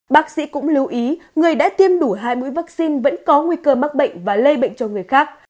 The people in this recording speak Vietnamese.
bác sĩ cũng lưu ý người đã tiêm đủ hai mũi vaccine vẫn có nguy cơ mắc bệnh và lây bệnh cho người khác